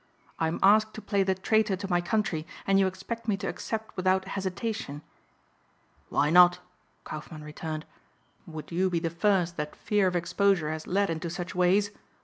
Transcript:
"I am asked to play the traitor to my country and you expect me to accept without hesitation." "Why not?" Kaufmann returned. "Would you be the first that fear of exposure has led into such ways?